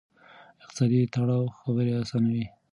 اقتصادي تړاو خبرې آسانوي.